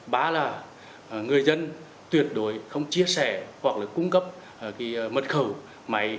ba là người dân tuyệt đối không chia sẻ hoặc là cung cấp mật khẩu máy